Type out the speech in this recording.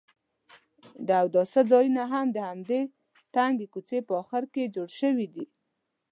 د اوداسه ځایونه هم د همدې تنګې کوڅې په اخر کې جوړ شوي دي.